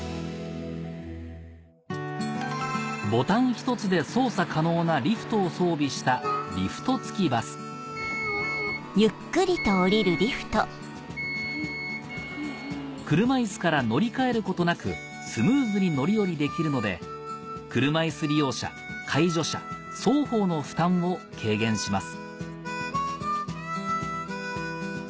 ボタン１つで操作可能なリフトを装備した車いすから乗り換えることなくスムーズに乗り降りできるので車いす利用者介助者双方の負担を軽減します